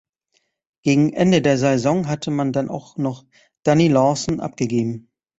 Gegen Ende der Saison hatte man dann auch noch Danny Lawson abgegeben.